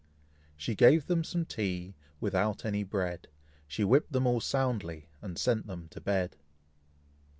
She gave them some tea without any bread, She whipp'd them all soundly, and sent them to bed.